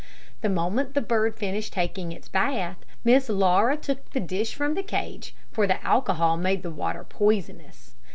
The moment the bird finished taking its bath, Miss Laura took the dish from the cage, for the alcohol made the water poisonous.